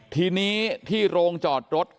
ทีนี้ที่โรงจอดรถ